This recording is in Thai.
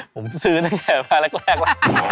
ผมซื้อตั้งแต่มาแรกแล้ว